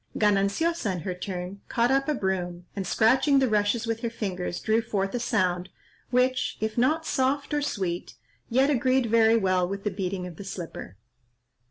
Gananciosa, in her turn, caught up a broom, and, scratching the rushes with her fingers, drew forth a sound which, if not soft or sweet, yet agreed very well with the beating of the slipper.